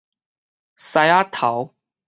獅子頭